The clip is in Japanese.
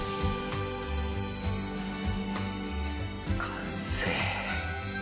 完成！